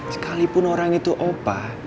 sekalipun orang itu opa